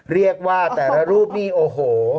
เรียกว่าแต่ละรูปนี่โอ้โห